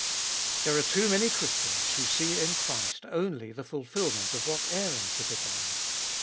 There are too many Christians who see in Christ only the fulfilment of what Aaron typified.